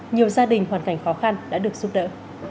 nhiều gia đình hoàn cảnh khó khăn đã được giúp đỡ